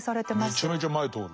めちゃめちゃ前通る。